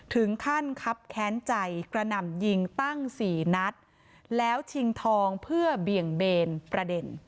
ถึงขั้นครับแค้นใจกระหน่ำยิงตั้งสี่นัดแล้วชิงทองเพื่อเบี่ยงเบนประเด็น